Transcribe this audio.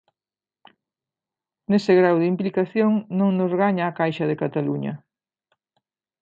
Nese grao de implicación non nos gaña a Caixa de Catalunya.